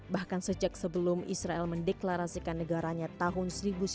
bahkan sejak sebelum israel mendeklarasikan negaranya tahun seribu sembilan ratus sembilan puluh